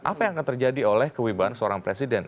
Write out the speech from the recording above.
apa yang akan terjadi oleh kewibahan seorang pengadilan